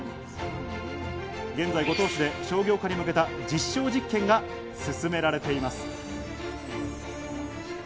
現在、五島市で商業化に向けた実証実験が進められています。